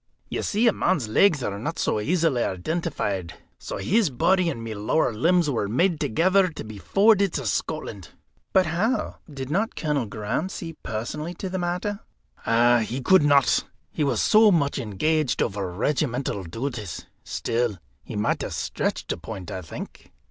You see, a man's legs are not so easily identified. So his body and my lower limbs were made ready together to be forwarded to Scotland." "But how did not Colonel Graham see personally to the matter?" "He could not. He was so much engaged over regimental duties. Still, he might have stretched a point, I think."